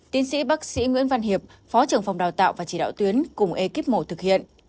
tiến sĩ bác sĩ nguyễn văn hiệp phó trưởng phòng đào tạo và chỉ đạo tuyến cùng ekip mổ thực hiện